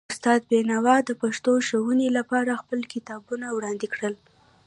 استاد بینوا د پښتو ښوونې لپاره خپل کتابونه وړاندې کړل.